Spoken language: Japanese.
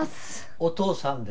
「お父さん」で。